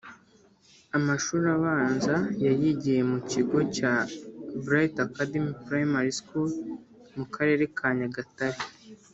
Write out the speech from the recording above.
Amashuri abanza yayigiye mu kigo cya "Bright Academy Primary School" mu Karere ka Nyagatare